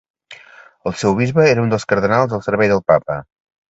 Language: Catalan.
El seu bisbe era un dels cardenals al servei del Papa.